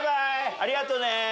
ありがとね！